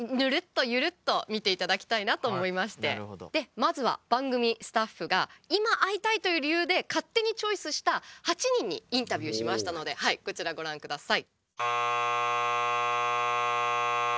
まずは番組スタッフが今会いたいという理由で勝手にチョイスした８人にインタビューしましたのでこちらご覧下さい。